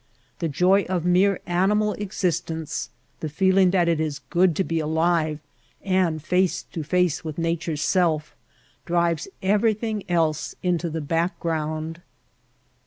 The joy of mere animal ex istence, the feeling that it is good to be alive and face to face with Nature's self, drives every thing else into the background.